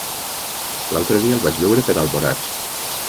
L'altre dia el vaig veure per Alboraig.